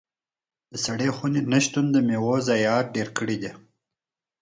د سړې خونې نه شتون د میوو ضايعات ډېر کړي دي.